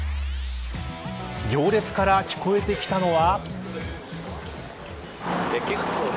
行列から聞こえてきたのは。